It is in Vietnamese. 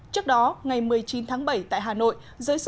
trước đó ngày một mươi chín tháng bảy tại hà nội